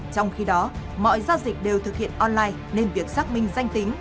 trong khi đó mọi giao dịch đều thực hiện online nên việc xác minh danh tính